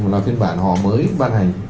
là phiên bản họ mới ban hành